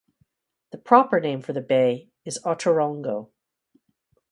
The proper name for the bay is Oterongo.